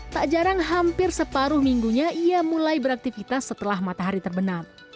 tak jarang hampir separuh minggunya ia mulai beraktivitas setelah matahari terbenam